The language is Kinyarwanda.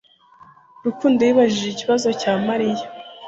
Rukundo yibajije ikibazo cya Mariya